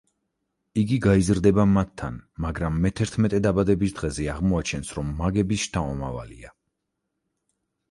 იგი გაიზრდება მათთან, მაგრამ მეთერთმეტე დაბადების დღეზე აღმოაჩენს, რომ მაგების შთამომავალია.